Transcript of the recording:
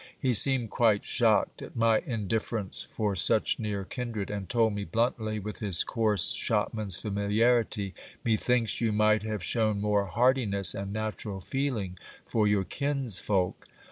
He seemed quite shocked at my indifference for such near kindred, and told me bluntly, with his coarse shopman's familiarity, Methinks you might have shown more heartiness and natural feeling for your kinsfolk